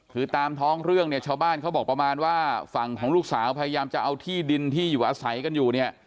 คือตามท้องเรื่องเนี่ยชาวบ้านเขาบอกประมาณว่าฝั่งของลูกสาวพยายามจะเอาที่ดินที่อยู่อาศัยกันอยู่เนี่ย